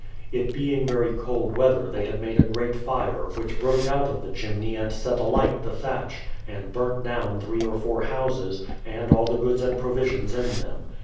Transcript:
It being very cold weather, they had made a great fire, which broke out of the chimney and set alight the thatch, and burnt down three or four houses, and all the goods and provisions in them.